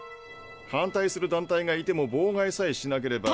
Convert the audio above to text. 反対する団体がいてもぼう害さえしなければ。